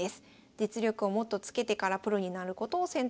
実力をもっとつけてからプロになることを選択。